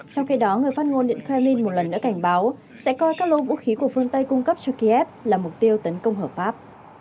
trong khi đó người phát ngôn điện kremlin một lần nữa cảnh báo sẽ coi các lô vũ khí của phương tây cung cấp cho kiev là mục tiêu tấn công hợp pháp